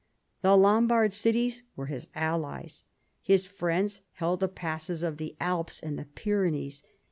The Lombard cities were his allies, his friends held the passes of the Alps and the Pyrenees.